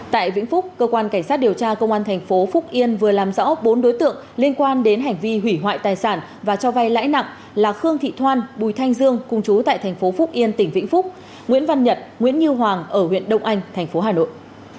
tại vĩnh phúc cơ quan cảnh sát điều tra công an thành phố phúc yên vừa làm rõ bốn đối tượng liên quan đến hành vi hủy hoại tài sản và cho vay lãi nặng là khương thị thoan bùi thanh dương cùng chú tại thành phố phúc yên tỉnh vĩnh phúc nguyễn văn nhật nguyễn như hoàng ở huyện đông anh tp hà nội